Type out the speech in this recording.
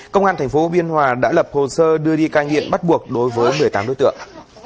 công an thành phố biên hòa đã lập hồ sơ đưa đi ca nghiện bắt buộc đối với một mươi tám đối tượng